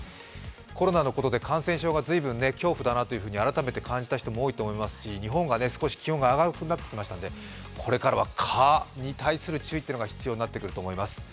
コロナのことで感染症が随分恐怖だなと改めて感じた人も多いでしょうし、日本が少し気温が上がってきましたのでこれからは蚊に対する注意というのが必要になってくると思います。